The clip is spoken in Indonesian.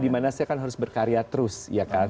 di mana saya kan harus berkarya terus ya kan